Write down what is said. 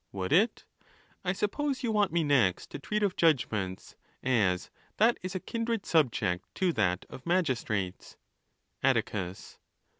—Would it? I suppose you want me next to treat of judgments, as that is a kindred subject to that of magistrates. Atticus.